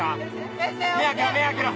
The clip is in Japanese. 目開けろ！